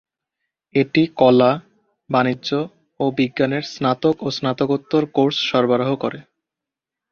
এটি কলা, বাণিজ্য ও বিজ্ঞানের স্নাতক ও স্নাতকোত্তর কোর্স সরবরাহ করে।